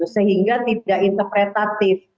sehingga tidak interpretatif